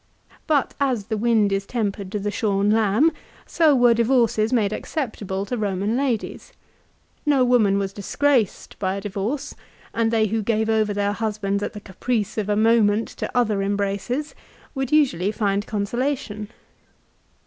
But as the wind is tempered to the shorn lamb, so were divorces made acceptable to Eoman ladies. No woman was disgraced by a divorce, and they who gave over their husbands at the caprice of a moment to other embraces, would usually find consolation.